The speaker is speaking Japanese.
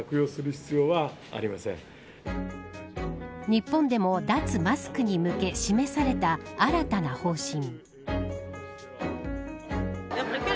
日本でも脱マスクに向け指名された新たな方針。